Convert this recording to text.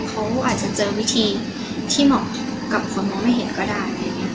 เขาอาจจะเจอวิธีที่เหมาะกับคนมองไม่เห็นก็ได้